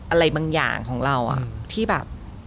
อะไรบางอย่างของเราที่แบบ